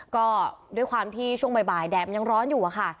ก็ด้วยความที่ช่วงบ่ายแดดมันยังร้อนอยู่อะค่ะ